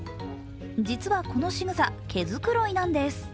実はこのしぐさ、毛繕いなんです。